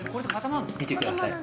見てください。